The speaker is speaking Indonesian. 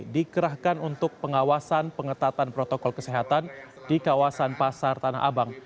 dikerahkan untuk pengawasan pengetatan protokol kesehatan di kawasan pasar tanah abang